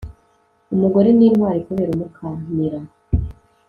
umugore ni intwari kubera umukanira